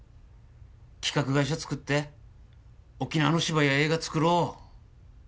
企画会社作って沖縄の芝居や映画作ろう。